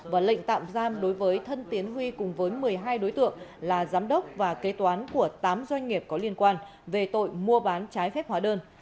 và lệnh tạm giam đối với thân tiến huy cùng với một mươi hai đối tượng là giám đốc và kế toán của tám doanh nghiệp có liên quan về tội mua bán trái phép hóa đơn